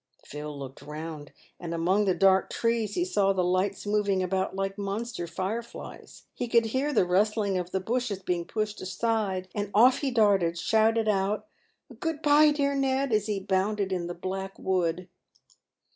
Phil looked round, and among the dark trees he saw the lights moving about like monster fire fiies. He could hear the rustling of the bushes being pushed aside, and off he darted, shouting out a " Grood by, dear Ned," as he bounded in the black wood.